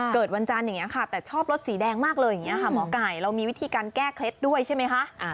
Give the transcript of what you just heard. วันจันทร์อย่างนี้ค่ะแต่ชอบรถสีแดงมากเลยอย่างนี้ค่ะหมอไก่เรามีวิธีการแก้เคล็ดด้วยใช่ไหมคะ